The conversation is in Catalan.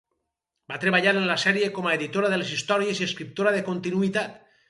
Va treballar en la sèrie com a editora de les històries i escriptora de continuïtat.